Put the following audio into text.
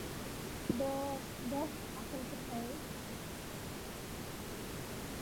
বেশ, আসল কোথায় আসি।